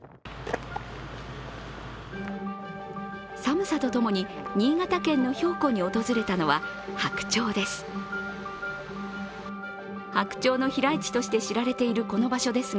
寒さと共に新潟県の瓢湖に訪れたのは白鳥です。